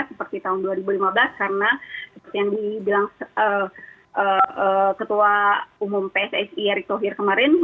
seperti tahun dua ribu lima belas karena seperti yang dibilang ketua umum pssi erick thohir kemarin